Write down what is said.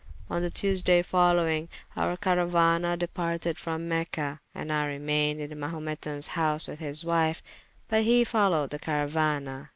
On the Tuesday folowyng, our carauana departed from Mecha, and I remayned in the Mahumetans house with his wyfe, but he folowed the carauana.